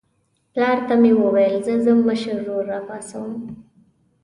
پلار ته مې وویل زه ځم مشر ورور راپاڅوم.